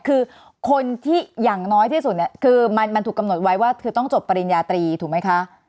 คือคนที่อย่างน้อยที่สุดเนี่ยคือมันถูกกำหนดไว้ว่าคือต้องจบปริญญาตรีถูกไหมคะ